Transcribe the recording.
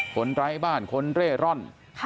ไร้บ้านคนเร่ร่อน